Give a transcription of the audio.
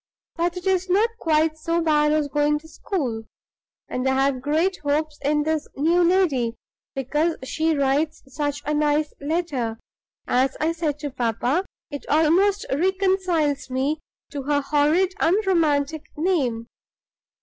But it is not quite so bad as going to school; and I have great hopes of this new lady, because she writes such a nice letter! As I said to papa, it almost reconciles me to her horrid, unromantic name."